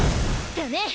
だね！